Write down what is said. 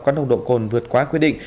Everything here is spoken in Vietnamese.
có nồng độ cồn vượt quá quy định